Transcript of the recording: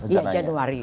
iya januari ya